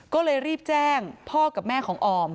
ก็เลยรีบแจ้งพ่อกับแม่ของออม